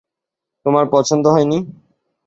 তোমার পছন্দ হয়নি?